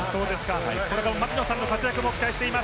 これからの槙野さんの活躍も期待しています。